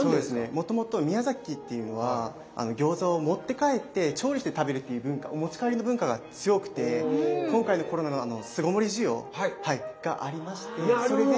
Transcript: もともと宮崎っていうのは餃子を持って帰って調理して食べるっていう文化お持ち帰りの文化が強くて今回のコロナの巣ごもり需要がありましてそれで。